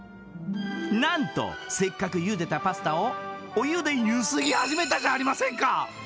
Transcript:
何とせっかくゆでたパスタをお湯でゆすぎ始めたじゃありませんか